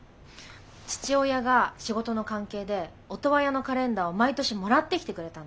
父親が仕事の関係でオトワヤのカレンダーを毎年もらってきてくれたの。